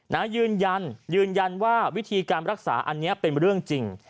ยืนยันยืนยันว่าวิธีการรักษาอันนี้เป็นเรื่องจริง